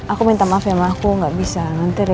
aku minta maaf ya ma aku gak bisa nganterin rena